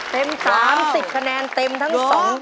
เต็ม๓๐คะแนนเต็มทั้ง๒